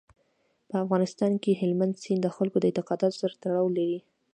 په افغانستان کې هلمند سیند د خلکو د اعتقاداتو سره تړاو لري.